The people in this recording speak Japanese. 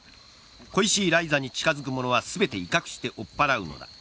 恋しいライザに近づく者は全て威嚇して追っ払うのだ。